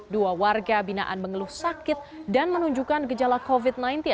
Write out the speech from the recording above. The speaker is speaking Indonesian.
dua warga binaan mengeluh sakit dan menunjukkan gejala covid sembilan belas